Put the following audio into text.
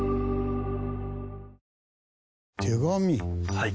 はい。